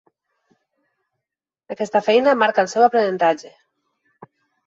Aquesta feina marca el seu aprenentatge.